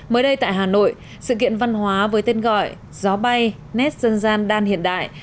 mới đây tại hà nội sự kiện văn hóa với tên gọi gió bay nét dân gian đan hiện đại